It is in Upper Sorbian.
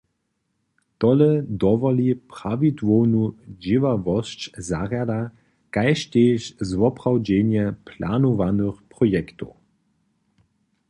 Tole dowoli prawidłownu dźěławosć zarjada kaž tež zwoprawdźenje planowanych projektow.